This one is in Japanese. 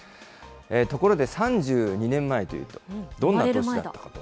ところで３２年前というと、どんな年だったかと。